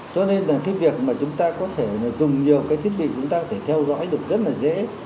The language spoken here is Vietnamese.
cho nên là cái việc mà chúng ta có thể dùng nhiều cái thiết bị chúng ta có thể theo dõi được rất là dễ